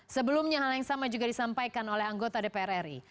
sebelumnya hal yang sama juga disampaikan oleh anggota dpr ri